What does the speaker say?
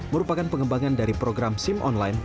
merupakan pengembangan dari program sim online